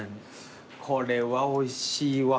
これはおいしいわ。